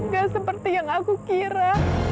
gak seperti yang aku kira